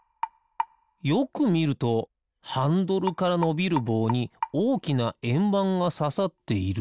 よくみるとハンドルからのびるぼうにおおきなえんばんがささっている。